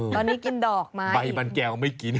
ตอนนี้กินดอกมาใบมันแก้วไม่กิน